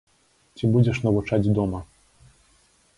Ці будзеш навучаць дома?